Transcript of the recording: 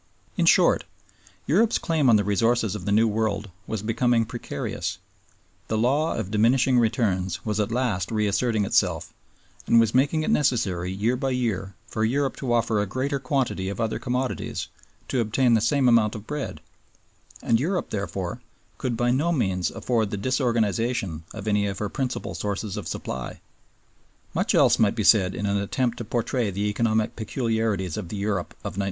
In short, Europe's claim on the resources of the New World was becoming precarious; the law of diminishing returns was at last reasserting itself and was making it necessary year by year for Europe to offer a greater quantity of other commodities to obtain the same amount of bread; and Europe, therefore, could by no means afford the disorganization of any of her principal sources of supply. Much else might be said in an attempt to portray the economic peculiarities of the Europe of 1914.